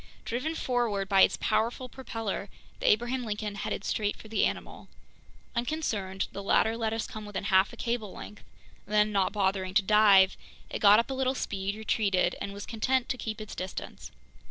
Driven forward by its powerful propeller, the Abraham Lincoln headed straight for the animal. Unconcerned, the latter let us come within half a cable length; then, not bothering to dive, it got up a little speed, retreated, and was content to keep its distance.